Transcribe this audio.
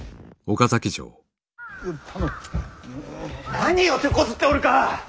何をてこずっておるか！